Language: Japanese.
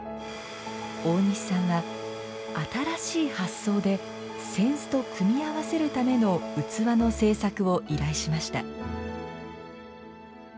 大西さんは新しい発想で扇子を組み合わせるための器の製作を依頼しました。